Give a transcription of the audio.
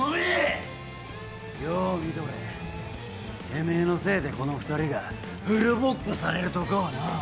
てめえのせいでこの２人がフルボッコされるとこをのう。